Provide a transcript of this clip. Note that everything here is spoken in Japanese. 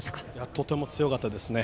とても強かったですね。